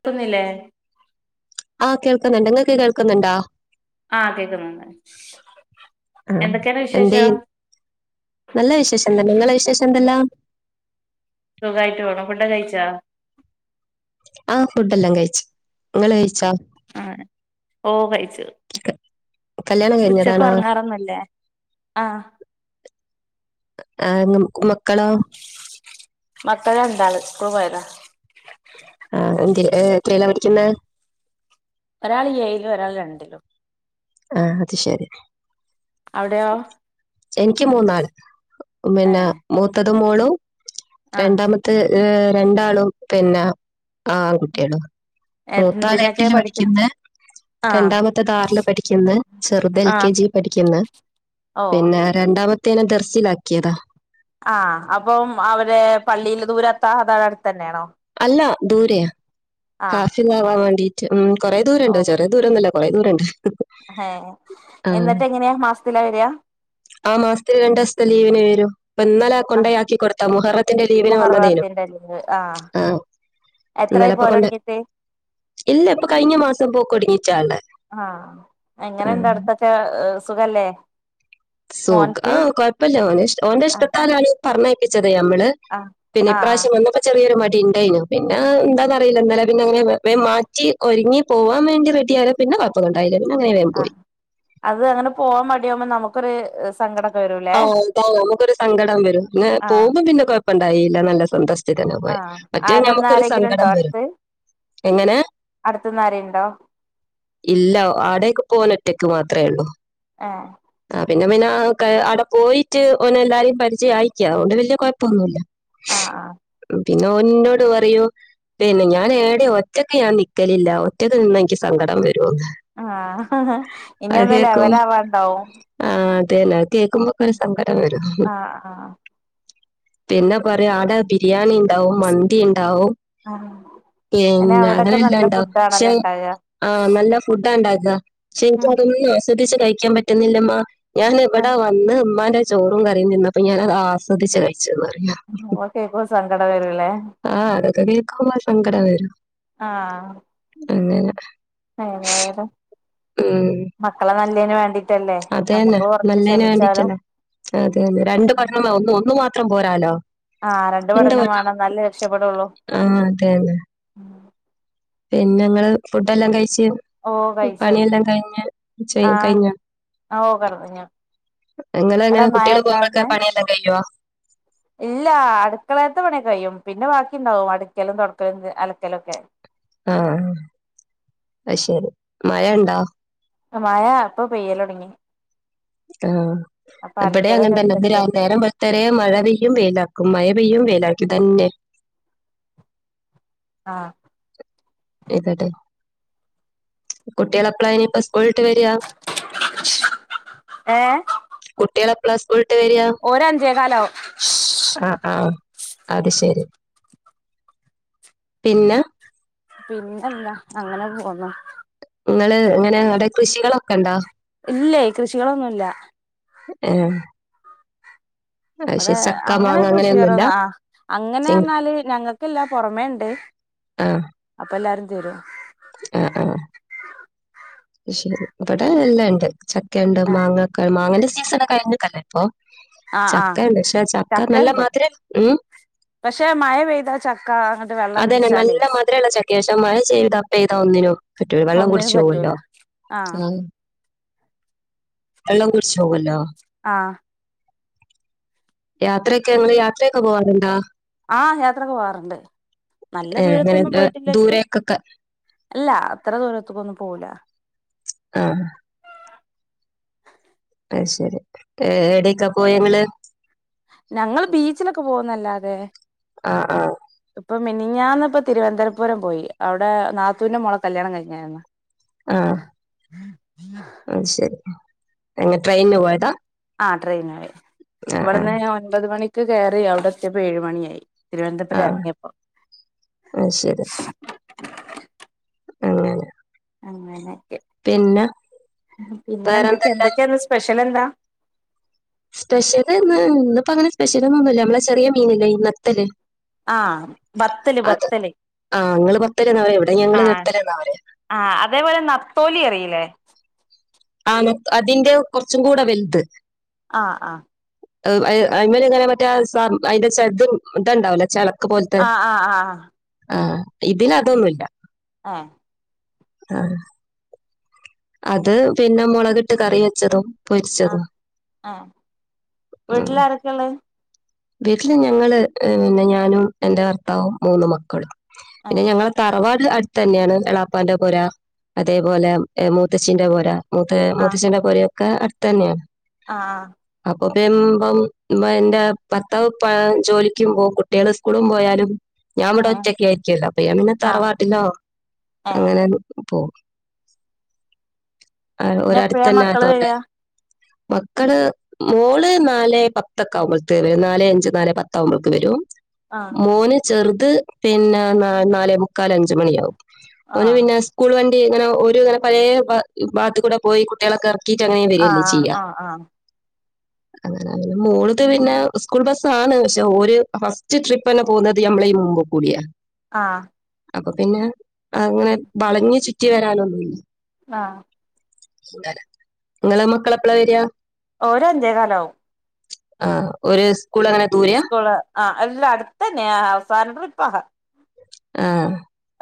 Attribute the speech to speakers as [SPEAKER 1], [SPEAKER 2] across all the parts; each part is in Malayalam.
[SPEAKER 1] ക്കുന്നില്ലേ
[SPEAKER 2] ആഹ് കേൾക്കുന്നുണ്ട് ങ്ങക്ക് കേൾക്കുന്നുണ്ടോ
[SPEAKER 1] ആഹ് കേക്കുന്നുണ്ട്
[SPEAKER 2] ആഹ്
[SPEAKER 1] എന്തൊക്കെയാണ്
[SPEAKER 2] എന്തേയ്‌
[SPEAKER 1] വിശേഷം
[SPEAKER 2] നല്ല വിശേഷം തന്നെ ങ്ങളെ വിശേഷം എന്തെല്ലാം
[SPEAKER 1] സുഖായിട്ട് പോണു ഫുഡൊക്കെ കഴിച്ചോ
[SPEAKER 2] ആഹ് ഫുഡെല്ലാം കഴിച്ചു ഇങ്ങള് കഴിച്ചോ
[SPEAKER 1] ആഹ് ഓഹ് കഴിച്ചു
[SPEAKER 2] കല്യാണം
[SPEAKER 1] ഉച്ചക്ക്
[SPEAKER 2] കഴിഞ്ഞതാണോ
[SPEAKER 1] ഒറങ്ങാറൊന്നൂല്ലേ ആഹ്
[SPEAKER 2] ആഹ് [unintelligible]
[SPEAKER 1] മറ്റേ രണ്ടാളും സ്ക്കൂള് പോയതാ
[SPEAKER 2] ആഹ് എന്തിര് ഏഹ് എത്രേലാ പഠിക്കുന്നേ
[SPEAKER 1] ഒരാള് ഏഴിലും ഒരാള് രണ്ടിലും
[SPEAKER 2] ആഹ് അത് ശരി
[SPEAKER 1] അവിടെയോ
[SPEAKER 2] എനിക്ക് മൂന്നാള് പിന്നെ
[SPEAKER 1] ഏഹ്
[SPEAKER 2] മൂത്തത് മോളും
[SPEAKER 1] ആഹ്
[SPEAKER 2] രണ്ടാമത്തെ ഏഹ് രണ്ടാളും പിന്നെ ആ ആൺകുട്ടികളും
[SPEAKER 1] എന്തിനൊക്കെ
[SPEAKER 2] മൂത്താളെട്ടില്
[SPEAKER 1] പഠിക്കണ്
[SPEAKER 2] പഠിക്കുന്നേ
[SPEAKER 1] ആഹ്
[SPEAKER 2] രണ്ടാമത്തെത് ആറിലും പഠിക്കുന്നേ ചെറുത് എൽ കെ
[SPEAKER 1] ആഹ്
[SPEAKER 2] ജി പഠിക്കുന്നേ
[SPEAKER 1] ഓ
[SPEAKER 2] പിന്നെ രണ്ടാമ ത്തേനെ ദർസിലാക്കിയതാ
[SPEAKER 1] ആ അപ്പം അവര് പള്ളിയില് ദൂരെത്താ അതാ അടുത്തന്നെയാണോ
[SPEAKER 2] അല്ല ദൂരെയാ
[SPEAKER 1] ആഹ്
[SPEAKER 2] ഹാസില്ലാവാൻ വേണ്ടീട്ട് ഉം കൊറേ ദൂരണ്ട് ചെറിയാ ദൂരൊന്നുവല്ല കൊറേ ദൂരണ്ട്
[SPEAKER 1] ഹേ എന്നിട്ട് എങ്ങനെയാ മാസത്തിലാ വര്യാ
[SPEAKER 2] ആ മാസത്തില് രണ്ടൂസത്തെ ലീവിന് വരും ഇന്നലേ
[SPEAKER 1] ആഹ്
[SPEAKER 2] കൊണ്ടയാക്കി കൊടുത്താ മുഹറത്തിന്റെ ലീവിന് വന്നതേനൂ
[SPEAKER 1] [unintelligible] ആഹ്
[SPEAKER 2] ആഹ്
[SPEAKER 1] എത്രായി
[SPEAKER 2] ഇന്നലപ്പൊ
[SPEAKER 1] പോവല്
[SPEAKER 2] കൊണ്ട
[SPEAKER 1] തൊടങ്ങിട്ട്
[SPEAKER 2] ഇല്ല ഇപ്പൊ കഴിഞ്ഞ മാസം പോക്കൊടങ്ങി
[SPEAKER 1] ആഹ് എങ്ങനുണ്ട് അടുത്തൊക്കെ സുഖല്ലേ
[SPEAKER 2] സുഖാ
[SPEAKER 1] മോൻക്ക്
[SPEAKER 2] ആഹ് കൊഴപ്പല്ല്യാ ഓന് ഇഷ് ഓന്റെ
[SPEAKER 1] ആഹ്
[SPEAKER 2] ഇഷ്ടത്താലാണ് ഈ പറഞ്ഞയപ്പിച്ച ത് ഞമ്മള്
[SPEAKER 1] ആഹ്
[SPEAKER 2] പിന്നെ
[SPEAKER 1] ആഹ് ആഹ്
[SPEAKER 2] ഇപ്രാവശ്യം വന്നപ്പോ ചെറിയൊരു മടു പ്പിണ്ടേനു പിന്നെ എന്താന്നറിയില്ല ഇന്നലെ പിന്നങ്ങനെ വേഗം മാറ്റി ഒരുങ്ങി പോവാൻ വേണ്ടി റെഡിയാണ് പിന്നെ കൊഴപ്പന്നുണ്ടായില്ല പി
[SPEAKER 1] ആ അത് അങ്ങനെ പോവാൻ മടിയാവുമ്പോ നമുക്കൊരു സങ്കടം
[SPEAKER 2] ആഹ് അതാ നമുക്കൊരു സങ്കടം വരും [unintelligible]
[SPEAKER 1] ആഹ്
[SPEAKER 2] പോകുമ്പോ പിന്നെ കൊഴപ്പമുണ്ടായില്ല നല്ല സന്തോഷം [unintelligible] പോയ
[SPEAKER 1] ആഹ്
[SPEAKER 2] മറ്റേ ഞമക്കൊരു സങ്കടം വരും എങ്ങനെ?
[SPEAKER 1] അടുത്തുന്നാരേണ്ടോ
[SPEAKER 2] ഇല്ല ആടൊക്കെ പോകൻ ഒറ്റയ്ക്ക് മാത്രമേ ഉള്ളൂ
[SPEAKER 1] ആഹ്
[SPEAKER 2] ആഹ് പിന്നെ പിന്നെ അവന്ക്ക് അവിടെ പോയിട്ട് ഓനെ എല്ലാരെയും പരിചയഅയിക്ക് അതുകൊണ്ട് വല്യ കുഴപ്പോന്നുല്ല
[SPEAKER 1] ആഹ് ആഹ്
[SPEAKER 2] പിന്നെ ഓൻ എന്നോട് പറയും പിന്നെ ഞാൻ എടെ ഒറ്റക്ക് ഞാൻ നിക്കലില്ല ഒറ്റക്ക് നിന്ന എനിക്ക് സങ്കടം വരും
[SPEAKER 1] ആഹ് അഹഹ ഇനി ഒന്നും ലെവലാവാണ്ടാവും
[SPEAKER 2] ആ അതന്നെ അതുകേക്കുമ്പോക്കെ ഒരു സങ്കടം വരും
[SPEAKER 1] ആഹ് ആഹ്
[SPEAKER 2] പിന്നെ പറയാ അടെ ബിരിയാണി ഇണ്ടാവും മന്തി ഇണ്ടാവും
[SPEAKER 1] ആഹ്
[SPEAKER 2] [unintelligible]
[SPEAKER 1] അയ്ന് അവിടൊക്കെ നല്ല
[SPEAKER 2] അങ്ങനെല്ലാണ്ടാവും
[SPEAKER 1] ഫുഡ്
[SPEAKER 2] പക്ഷെ
[SPEAKER 1] ആണല്ലോ ഇണ്ടാക
[SPEAKER 2] ആ നല്ല ഫുഡ്ഡാണ്ടുക പക്ഷെ എനിക്ക
[SPEAKER 1] ഉം
[SPEAKER 2] അതൊന്നും ആസ്വദിച്ച് കഴിക്കാൻ പറ്റുന്നില്ല്മ്മ ഞാൻ എവിടെ
[SPEAKER 1] അതെ
[SPEAKER 2] വന്ന് ഉമ്മാന്റെ ചോറും കറിയും തിന്നപ്പൊ ഞാൻ അത് ആസ്വദിച്ചു കഴിച്ചൂ [unintelligible]
[SPEAKER 1] ഓ കേക്കുമ്പോ സങ്കടം വരൂലേ
[SPEAKER 2] ആഹ് അതൊക്കെ കേൾക്കുമ്പ സങ്കട വരും
[SPEAKER 1] ആഹ്
[SPEAKER 2] പിന്നെ
[SPEAKER 1] ഏതായാലും മക്കളെ നല്ലേന് വേണ്ടി
[SPEAKER 2] അതെ തന്നെ നല്ലേന് വേണ്ടീട്ടല്ലേ അതെന്നെ രണ്ട് [unintelligible] ഒന്ന് മാത്രം മാത്രം പോരാലോ
[SPEAKER 1] ആഹ് രണ്ട്
[SPEAKER 2] എന്താ
[SPEAKER 1] പഠനം വേണം എന്നാലേ
[SPEAKER 2] [unintelligible]
[SPEAKER 1] രക്ഷപ്പെടുള്ളൂ
[SPEAKER 2] ആഹ് അതെന്നെ പിന്നെ ഞങ്ങള് ഫുഡ് എല്ലാം കഴിച്ച്
[SPEAKER 1] ഓ കഴിച്ചു
[SPEAKER 2] പണിയെല്ലാം കഴിഞ്ഞ് [unintelligible]
[SPEAKER 1] ആഹ്
[SPEAKER 2] കഴിഞ്ഞ്
[SPEAKER 1] ഓ കടന്നു
[SPEAKER 2] നിങ്ങള്
[SPEAKER 1] എടാ
[SPEAKER 2] അങ്ങനെ
[SPEAKER 1] മഴ
[SPEAKER 2] കുട്ടികൾ പോകുമ്പോഴക്കെ
[SPEAKER 1] ഉണ്ടായിരുന്നേ
[SPEAKER 2] പണിയെല്ലാം കഴിയുവോ
[SPEAKER 1] ഇല്ല അടുക്കളയത്തെ പണിയൊക്കെ കഴിയും പിന്നെ ബാക്കി ഉണ്ടാവും അടുക്കലും, തോടക്കലും, അലക്കലും ഒക്കെ
[SPEAKER 2] ആഹ് അത് ശരി മഴ ഉണ്ടോ
[SPEAKER 1] മയ അപ്പൊ പെയ്യല് തുടങ്ങി
[SPEAKER 2] ആ ഇവിടെ അങ്ങനെ തന്നെ
[SPEAKER 1] എടുത്തൊക്കെ
[SPEAKER 2] ഇന്ന് നേരം [unintelligible] മഴ പെയ്യും [unintelligible] മഴ പെയ്യും വേലാക്കും ഇത് തന്നെ
[SPEAKER 1] ആഹ്
[SPEAKER 2] ഇതല്ലെ കുട്ടികളെപ്പളാ ഇനിപ്പൊ സ്കൂളിട്ട് വരിയാ
[SPEAKER 1] ഏഹ്
[SPEAKER 2] കുട്ടികൾ എപ്പോളാ സ്കൂൾ [unintelligible] വരിയാ
[SPEAKER 1] ഒരു അഞ്ചേകാലാവും
[SPEAKER 2] അ ആ അത് ശരി പിന്ന
[SPEAKER 1] പിന്നെന്താ അങ്ങനെ പോന്നു
[SPEAKER 2] നിങ്ങള് ഇങ്ങനെ അവിടെ കൃഷികളൊക്കെ ഉണ്ടോ
[SPEAKER 1] ഇല്ലേ കൃഷികളൊന്നുല്ല
[SPEAKER 2] ആഹ്
[SPEAKER 1] അവിടെ
[SPEAKER 2] മാങ്ങ
[SPEAKER 1] അങ്ങനെക്കെ
[SPEAKER 2] അങ്ങനെയൊന്നുമില്ല
[SPEAKER 1] [unintelligible] ആ
[SPEAKER 2] ചെ-
[SPEAKER 1] അങ്ങനെന്നാല് ഞങ്ങൾക്കല്ല പുറമേുണ്ട്
[SPEAKER 2] ആ
[SPEAKER 1] അപ്പൊ എല്ലാരും തരും
[SPEAKER 2] അതുശരി ഇവിടെ എല്ലാം ഉണ്ട് ചക്കുണ്ട്,
[SPEAKER 1] ആഹ്
[SPEAKER 2] മാങ്ങ, മാങ്ങന്റെ സീസണ കഴിഞ്ഞക്കല്ലേ ഇപ്പൊ
[SPEAKER 1] ആഹ് ആഹ്
[SPEAKER 2] ചക്ക ഉണ്ട് പക്ഷേ ചക്ക നല്ല
[SPEAKER 1] ചക്കണ്ട്
[SPEAKER 2] മധുരം ഉം
[SPEAKER 1] പക്ഷെ മയ പെയ്താ ചക്ക വെള്ളം
[SPEAKER 2] അതന്നെ
[SPEAKER 1] കുടിച്ചാലേ
[SPEAKER 2] നല്ല മതിരോള്ള ചക്കയാ പക്ഷെ മഴ ചെയ്ത പെയ്ത ഒന്നിനും പറ്റൂല വെള്ളം
[SPEAKER 1] ഒന്നിനും
[SPEAKER 2] കുടിച്ച് പോവല്ലോ
[SPEAKER 1] പറ്റൂല ആഹ്
[SPEAKER 2] വെള്ളം കുടിച്ചു പോവൂല്ലോ
[SPEAKER 1] ആഹ്
[SPEAKER 2] യാത്രയൊക്കെങ്ങള് യാത്രയൊക്കെ പോവാറ്ണ്ടോ?
[SPEAKER 1] ആ യാത്രക്കെ പോവാറ്ണ്ട് നല്ല
[SPEAKER 2] ഏഹ് അങ്ങനെ
[SPEAKER 1] ദൂരത്തൊന്നും
[SPEAKER 2] ഏഹ്
[SPEAKER 1] പോയിട്ടില്ലെങ്കിലും
[SPEAKER 2] ദൂരേക്കൊക്കെ
[SPEAKER 1] ഇല്ല അത്ര ദൂരത്ത്ക്കൊന്നും പോവൂല
[SPEAKER 2] ആഹ് അത് ശരി എവിടേക്കാ പോയനിങ്ങള്
[SPEAKER 1] ഞങ്ങൾ ബീച്ചിലൊക്കെ പോകുംന്നല്ലാതെ
[SPEAKER 2] അ ആ
[SPEAKER 1] മിനിഞാന്ന്പ്പോ തിരുവനന്തരപുരം പോയി അവ്ടെ നാത്തൂന്റെ മോളെ കല്യാണം കഴിഞ്ഞേന്നു
[SPEAKER 2] ആ അയ്ശെരി എങ്ങ ട്രെയിന് പോയതാ
[SPEAKER 1] ആ ട്രെയിനോയെ
[SPEAKER 2] ആഹ്
[SPEAKER 1] ഇവട്ന്ന്
[SPEAKER 2] ആഹ്
[SPEAKER 1] ഞാ ഒൻപത് മണിക്ക് കെയറി അവ്ടെത്തിയപ്പോ ഏഴ് മണിയായി. തിരുവനന്തപുരം
[SPEAKER 2] ആഹ്
[SPEAKER 1] എറങ്ങിയപ്പോ
[SPEAKER 2] അത് ശരി അങ്ങനെ
[SPEAKER 1] അങ്ങനെക്കെ
[SPEAKER 2] പിന്നെ
[SPEAKER 1] പിന്നെന്തെക്കെ
[SPEAKER 2] വേറെന്തെല്ലാം?
[SPEAKER 1] എന്തൊക്കെയിന്ന് സ്പെഷ്യ ലന്താ?
[SPEAKER 2] സ്പെഷ്യല്ന്ന് ഇന്ന്പ്പങ്ങനെ സ്പെഷ്യല്ന്നൊന്നുല്ല ഞ്ഞമ്മളെ ചെറിയ മീന്ല്ലേ ഈ നത്തല്.
[SPEAKER 1] ആഹ ബത്തല്
[SPEAKER 2] അത്
[SPEAKER 1] ബത്തല്
[SPEAKER 2] ആഹ് ഇങ്ങള് ബത്തല്ന്നാ പറയാ. ഇവിടെ
[SPEAKER 1] ആ
[SPEAKER 2] ഞങ്ങള് നത്തല്ന്നാ പറയാ.
[SPEAKER 1] ആ അതേപോലെ നത്തോലിയറീല്ലേ?
[SPEAKER 2] ആ നത്തോ അതിന്റെ കൊറച്ചും കൂടെ വെൽത്
[SPEAKER 1] ആ ആ
[SPEAKER 2] അഹ് അയ്അയ്മെല്ങ്ങനെ മറ്റേ ആ സ [unintelligible] അയിന്റെ ച [unintelligible] ണ്ടാവൂല്ലേ? ചെല ക്ക്പോൽത്തെ
[SPEAKER 1] ആഹ് ആഹ്
[SPEAKER 2] ആ ഇതിനതൊന്നുല്ല.
[SPEAKER 1] ആ
[SPEAKER 2] ഹ അത് പിന്നെ മൊളക്‌ട്ട് കറിവെച്ചതും
[SPEAKER 1] ഹ ആ
[SPEAKER 2] ഉം.
[SPEAKER 1] വീട്ടില് ആരൊക്കെള്ളെ?
[SPEAKER 2] വീട്ടില് ഞങ്ങള് ഹ് പിന്നെ ഞാനും എന്റെ ഭർത്താവും മൂന്ന് മക്കളും.
[SPEAKER 1] ആഹ്
[SPEAKER 2] പിന്നെ ഞങ്ങള് തറവാട്ട അട്തന്നെയാണ് എളാപ്പാന്റെ പൊരാ അതേപോലെ മൂത്തച്ചീന്റെ പൊരാ മൂത്ത മൂത്തച്ചന്റെ പൊരയൊക്കെ അടുത്തന്നെയാ
[SPEAKER 1] ആ
[SPEAKER 2] ഒ [unintelligible] മ്പം ഇമ്മ എന്റെ ദർത്താവ്പ്പം ജോലിക്ക് പോവും കുട്ടിയള് സ്കൂളും പോയാലും ഞ്ഞാംമ്പടെ
[SPEAKER 1] ഉം ഉം
[SPEAKER 2] ഒറ്റക്കായിരിക്കൊല്ലോ അപ്പൊ ഞാപിന്നെ
[SPEAKER 1] ആഹ്
[SPEAKER 2] തറവാട്ടില്ലോ
[SPEAKER 1] ഏഹ്
[SPEAKER 2] അങ്ങനെ പോവും ആ
[SPEAKER 1] പിന്നെ എപ്പഴാ മക്കള്
[SPEAKER 2] ഒരട്ത്തന്നായതോണ്ടേ
[SPEAKER 1] വരാ
[SPEAKER 2] മക്കള് മോള് നാലേപത്തൊക്കാ വുമ്പോ നാലെഅഞ്ച് നാലെ പത്താവുമ്പേക്ക് വെരും
[SPEAKER 1] ആഹ്
[SPEAKER 2] മോന് ചെറുത് പിന്നെ ന ന്നാലേ മുക്കാലഞ്ച് മണിയാവും ഒന്
[SPEAKER 1] ആഹ്
[SPEAKER 2] പിന്നെ സ്കൂൾ വണ്ടി ഇങ്ങനെ ഒരുങ്ങെനെ പലേഭ ഭാത്തു കൂടെ പോയി കുട്ടിയളൊക്കെറക്കി ക്കിയിട്ട് അങ്ങനെ വെരല്ലേ
[SPEAKER 1] ആഹ്
[SPEAKER 2] ചെയ്യാ
[SPEAKER 1] ആഹ് ആഹ്
[SPEAKER 2] അങ്ങനെ മോള്ത് പി പിന്നെ സ്കൂൾ ബസ്സാണ് പക്ഷെ ഓര് ഫസ്റ്റ് ട്രിപ്പന്നെ പോവ്ന്നത് ഞമ്മളെ ഈ മുമ്പ് കൂടിയാ
[SPEAKER 1] ആ
[SPEAKER 2] അപ്പൊപിന്നെ അങ്ങനെ വളഞ്ഞ് ചുറ്റി വരാനൊന്നുല്ല്യ
[SPEAKER 1] ആ
[SPEAKER 2] ഇങ്ങളെ മക്കളപ്പളാ വെരാ?
[SPEAKER 1] ഓര് അഞ്ചേക്കാലാവും
[SPEAKER 2] ആ ഓര് സ്കൂളെങ്ങനെ ദൂരയാ?
[SPEAKER 1] ആ എല്ലാ അട്ത്തന്നെയാ അവസാന ട്രിപ്പാ
[SPEAKER 2] ആ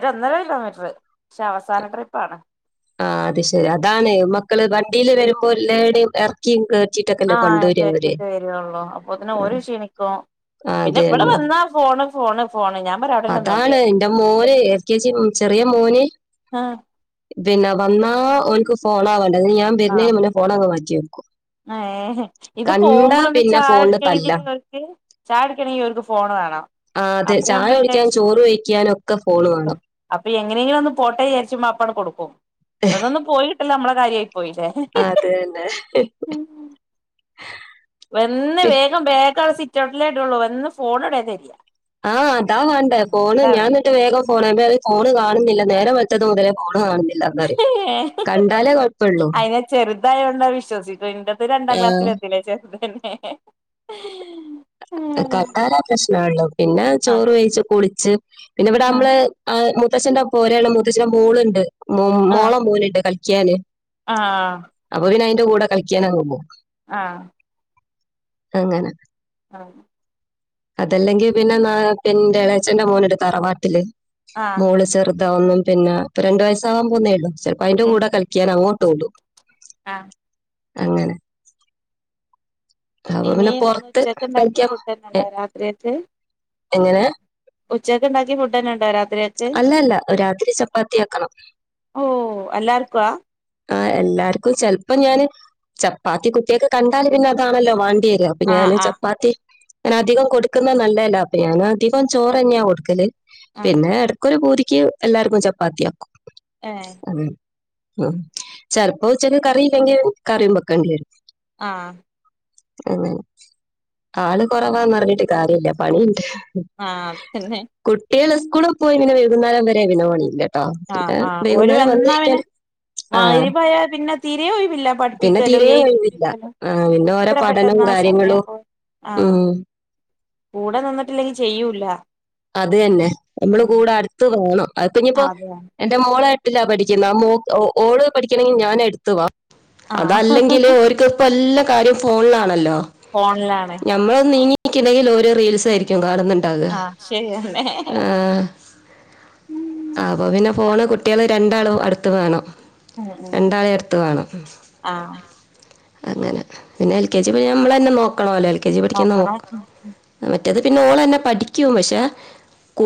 [SPEAKER 1] ഒരു ഒന്നര കിലോമീറ്റർ പക്ഷെ അവസാന ട്രിപ്പാണ്.
[SPEAKER 2] ആ അത് ശെരി അതാണ് മക്കള് വണ്ടീല് വരുമ്പോ എല്ലാടെയും എറക്കീം കേറ്റീ
[SPEAKER 1] ആ കേറ്റീട്ട് വേരോള്ളൂ അപ്പൊത്തിന്
[SPEAKER 2] ആ
[SPEAKER 1] ഓര് ക്ഷീണിക്കും
[SPEAKER 2] ആ,
[SPEAKER 1] പിന്നെ
[SPEAKER 2] അത്
[SPEAKER 1] ഇവടെ
[SPEAKER 2] തന്നെ
[SPEAKER 1] വന്നാ ഫോ ന്നാ ഫോണ് ഞാൻ പറയും അവിടെന്നെ നിന്നോണ്ടി
[SPEAKER 2] അതാണ്
[SPEAKER 1] പറയും
[SPEAKER 2] ഇന്റെ മോന് എ ല് കെ ജിന്നും ചെറിയ മോന് പിന്നെ വന്നാ ഓൻക്ക് ഫോണാവാണ്ടത് ന്നിട്ട് ഞാവരുന്നേന് മുന്നേ ഫോണങ്ങട്ട് മാറ്റി വെക്കും.
[SPEAKER 1] ഏ ഹേ ഇത്
[SPEAKER 2] കണ്ടാ
[SPEAKER 1] പോകുമ്പളൊന്നും
[SPEAKER 2] പിന്നെ
[SPEAKER 1] ചായ
[SPEAKER 2] ഫോണിന് തല്ല
[SPEAKER 1] കുടിക്കണെങ്കിങ്ങക്ക് ചായ കുടിക്കണെങ്കിലോർക്ക് ഫോണ വാണം.
[SPEAKER 2] ആ അതെ ചായുടിക്കാനും ചോറ് വേഴിക്കാ
[SPEAKER 1] അപ്പാ അപ്പൊ എങ്ങനെങ്കിലോന്ന് പോട്ടേ വിചാരിച്ചുമ്പോ അപ്പാണ്ട് കൊടുക്കും ഇവ്ട്ന്നോന്ന് പോയി നമ്മള കാര്യ
[SPEAKER 2] ആ അതെന്നെ
[SPEAKER 1] വന്ന്
[SPEAKER 2] പി-
[SPEAKER 1] വേഗം ബേഗ് അവ്ടെ സിറ്റ്ഔട്ടിലേ ഇടൊള്ളൂ വന്ന് ഫോണോവ്ടെ തെര്യാ
[SPEAKER 2] ആഹ് അതാ വാണ്ടേ ഫോണ് ഞാന് ന്ന്ട്ട് വേഗം ഫോൺ അത് ഫോണ് കാണ്ന്നില്ല നേരം വെള്ത്തത് മുതലേ ഫോണ് കണ്ടിട്ടില്ലാന്നറിം കണ്ടാലെ കൊഴ
[SPEAKER 1] അയിന് ചെറ്തായോണ്ടത് വിശ്വസിക്ക്‌ണേ ഇന്റെത് രണ്ടാം ക്ലാസ്സിൽ എത്തീല്ലേ ചെറ്തന്നെ
[SPEAKER 2] കണ്ടാലെ പ്രശ്നൊള്ളു പിന്നെ
[SPEAKER 1] ആഹ്
[SPEAKER 2] ചോറ് വെയിച്ച് കുളിച്ച് പിന്നെ ഇവടെ
[SPEAKER 1] ആഹ്
[SPEAKER 2] നമ്മള് മുത്തശ്ശന്റെ പോരെയാണ് മുത്തച്ചന്റെ മോള്ണ്ട് മോളെ മോന്ണ്ട് കളി ക്ക്യാന്
[SPEAKER 1] ആ
[SPEAKER 2] കൂടെ കളിക്ക്യാനങ്ങ് പോവും അങ്ങനെ
[SPEAKER 1] ആഹ്
[SPEAKER 2] അതല്ലെങ്കി പിന്നെ ന ഇന്റെ ഇളഛന്റെ മോന്ണ്ട് തറവാട്ടില്
[SPEAKER 1] ആഹ്
[SPEAKER 2] മോള് ചെറ് താവും പിന്നെ ഇപ്പ രണ്ട് വയസാകാൻ പോകുന്നേള്ളു ചെലപ്പോ അയിന്റെ കൂടെ കളിക്കാൻ അങ്ങോട്ടോടും.
[SPEAKER 1] ആ
[SPEAKER 2] അങ്ങനെ അപ്പൊ
[SPEAKER 1] ഇനി
[SPEAKER 2] പിന്നെ
[SPEAKER 1] ഇന്ന്
[SPEAKER 2] പുറത്ത്
[SPEAKER 1] ഉച്ചക്ക്ണ്ടാക്കിയ
[SPEAKER 2] കളിക്കാൻ
[SPEAKER 1] ഫുഡെന്നെണ്ടോ
[SPEAKER 2] എ-
[SPEAKER 1] രാത്രികയ്ക്ക്.
[SPEAKER 2] എങ്ങനെ
[SPEAKER 1] ഉച്ചയ്ക്ക്ണ്ടാക്കിയ ഫുഡെന്നെണ്ടോ രാ
[SPEAKER 2] അല്ല അല്ല രാത്രി ചപ്പാത്തിയാക്കണം
[SPEAKER 1] ഓ എല്ലാർക്കുവാ
[SPEAKER 2] ആ എല്ലാർക്കും ചെലപ്പം ഞാന് ചപ്പാത്തി കുട്ട്യാക്ക് കണ്ടാല് പിന്നെ അതാണല്ലോ വാ ണ്ട്യരാ അപ്പ
[SPEAKER 1] ആഹ്
[SPEAKER 2] ഞാന്
[SPEAKER 1] ആഹ്
[SPEAKER 2] ചപ്പാത്തി ഇങ്ങനെ അധികം കൊട്ക്ക്ന്നേ ‌ നല്ലല്ല അപ്പൊ ഞാന് അധികം ചോറെന്നാ കൊട്ക്കല്
[SPEAKER 1] ആഹ്
[SPEAKER 2] പിന്നെ എടക്കൊരു പൂതി ക്ക്‌ എല്ലാർക്കും ചപ്പാത്തിയാക്കും
[SPEAKER 1] ഏഹ്
[SPEAKER 2] ചെലപ്പോ ഉച്ചക്ക്‌ കറിയില്ലെങ്കി കറിം ബേക്കേണ്ടിരു
[SPEAKER 1] ആ
[SPEAKER 2] അ ആള് കൊറവാന്നറ്ഞ്ഞിട്ട് കാര്യല്ല പണിണ്ട്
[SPEAKER 1] ആഹ് പിന്നെ
[SPEAKER 2] കുട്ട്യാള് സ്കൂള് പോയി പിന്നെ വൈകുന്നേരം വരെ പിന്നെ പണില്ല ആ പിന്നെ വൈകുന്നേരം വന്നഴിഞ്ഞാൽ
[SPEAKER 1] മാഹ്രിബ് ആയ പിന്നെ തിരേ ഒഴിവില്ല
[SPEAKER 2] പിന്നെ
[SPEAKER 1] പഠിപ്പിക്കലും
[SPEAKER 2] തീരെ കഴിവില്ല
[SPEAKER 1] എഴ്തിപ്പിക്കലും
[SPEAKER 2] ആ
[SPEAKER 1] എത്ര പെട്ടെന്നാ സമയം പോ
[SPEAKER 2] മ്മ്
[SPEAKER 1] കൂടെ നിന്നിട്ടില്ലെങ്കി ചെയ്യൂല്ല
[SPEAKER 2] അത് തന്നെ നമ്മള് കൂടെ അട്ത്ത് വേണം അത്പ്പ ഇഞ്ഞിപ്പോ
[SPEAKER 1] അതെ
[SPEAKER 2] എന്റെ മോളാ എട്ടില്പഠിക്ക്‌ന്നേ മൊ ഓള് പഠിക്കണങ്കി ഞാൻ എട്ത്ത് വാ
[SPEAKER 1] ആഹ്
[SPEAKER 2] അതല്ലെങ്കില് ഓര്ക്കിപ്പോ എല്ലാ കാര്യം ഫോണിലാണല്ലോ
[SPEAKER 1] ഫോണ്ലാണ്
[SPEAKER 2] [unintelligible] ഓരോ റീൽസായിരിക്കും കാണുന്നുണ്ടാക
[SPEAKER 1] ആഹ് ശരിയന്നെ
[SPEAKER 2] ആ
[SPEAKER 1] ഉം
[SPEAKER 2] ആ അപ്പ പിന്നെ ഫോണ് കുട്ടികൾ രണ്ടാളും അടുത്ത് വേണം
[SPEAKER 1] ഉം
[SPEAKER 2] രണ്ടാള അടുത്ത് വേണം
[SPEAKER 1] ആഹ്
[SPEAKER 2] അങ്ങനെ പിന്നെ എൽ കെ ജി നമ്മള തന്നെ നോക്കണല്ലോ എൽ കെ ജി പഠിക്ക നോ
[SPEAKER 1] നോക്കണം ഉം ഉം
[SPEAKER 2] മറ്റത് പിന്നെ ഓളെന്നെ പഠിക്കും പക്ഷേ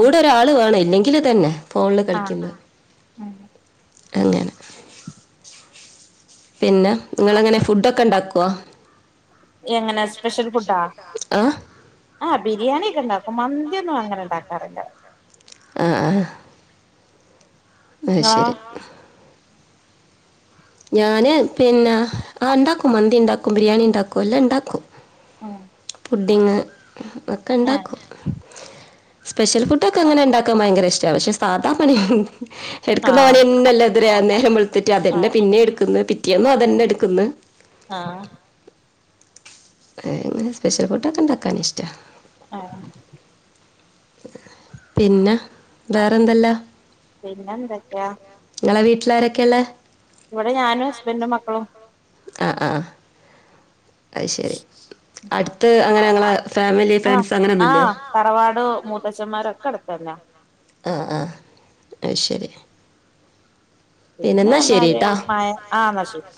[SPEAKER 1] ആ
[SPEAKER 2] ഒരാള് വേണം ഇല്ലെങ്കില് ഇതന്നെ ഫോണില്
[SPEAKER 1] ആഹ്
[SPEAKER 2] കളിക്കുന്നേ
[SPEAKER 1] ഉം
[SPEAKER 2] അങ്ങനെ പിന്നെ നിങ്ങള എങ്ങനെ ഫുഡൊക്കെ ഉണ്ടാക്കുവോ
[SPEAKER 1] എങ്ങനെ സ്പെഷ്യൽ ഫുഡാ
[SPEAKER 2] ആ
[SPEAKER 1] ആ ബിരിയാണിക്കെ ഉണ്ടാക്കും മന്തിയൊന്നും അങ്ങനെ ഉണ്ടാകാറില്ല
[SPEAKER 2] ആ ആ ആഹ
[SPEAKER 1] ഇങ്ങളോ
[SPEAKER 2] ശരി ഞാന് പിന്നെ ആ ഉണ്ടാക്കും മന്തി ഉണ്ടാക്കും ബിരിയാണി ഉണ്ടാക്കും എല്ലാം ഇണ്ടാക്കും.
[SPEAKER 1] ആഹ
[SPEAKER 2] പുടിഗ് ഒക്കെ ഉണ്ടാക്കും സ്പെഷ്യൽ ഫുഡൊക്കെ അങ്ങനെ ഉണ്ടാക്കാൻ ഭയങ്കര ഇഷ്ട പക്ഷെ സാധാ പണി എടുക്കുന്ന
[SPEAKER 1] ആഹ്
[SPEAKER 2] ഓന
[SPEAKER 1] മതി
[SPEAKER 2] നല്ലാതി നേരം വെളുത്തിട്ട് അതന്നെ
[SPEAKER 1] ആഹ്
[SPEAKER 2] പിന്നെ എടുക്കുന്ന കറ്റിയന്നും അതന്നെ എടുക്കന്ന്
[SPEAKER 1] ആഹ
[SPEAKER 2] ഏ ഇങ്ങനെ സ്പെഷ്യൽ ഫുഡ്ൊക്കെ ഉണ്ടാക്കാൻ ഇഷ്ടാ
[SPEAKER 1] ആഹ
[SPEAKER 2] പിന്നെ വേറെന്തല്ലാ?
[SPEAKER 1] പിന്നെ എന്തൊക്കെയാ?
[SPEAKER 2] വീട്ടിലാരൊക്കെയ ഒള്ള
[SPEAKER 1] ഇവിടെ ഞാനും ഹസ്ബൻറും മക്കളും
[SPEAKER 2] ആഹ ആ അത് ശരി അടുത്ത് അങ്ങനെ ഞങ്ങളെ ഫാമിലി
[SPEAKER 1] ആഹ്
[SPEAKER 2] ഫ്രണ്ട്സ് അങ്ങനെയൊന്നുമില്ലേ
[SPEAKER 1] ആഹ തറവാടോ മൂത്തച്ഛന്മാര ഒക്കെ അടുത്തന്നയാ
[SPEAKER 2] ആ ആ അ ശരി
[SPEAKER 1] പിന്നെ
[SPEAKER 2] എന്നാ ശരി
[SPEAKER 1] എന്നാല
[SPEAKER 2] കേട്ടോ
[SPEAKER 1] മ ആ എന്നാ ശരി